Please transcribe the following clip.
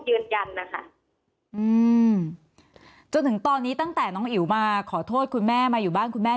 ยืนยันนะคะอืมจนถึงตอนนี้ตั้งแต่น้องอิ๋วมาขอโทษคุณแม่มาอยู่บ้านคุณแม่